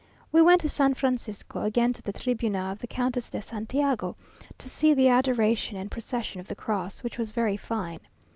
We went to San Francisco, again to the Tribuna of the Countess de Santiago, to see the Adoration and Procession of the Cross, which was very fine.